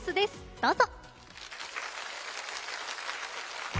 どうぞ。